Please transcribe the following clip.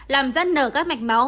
làm dắt nở các mạch máu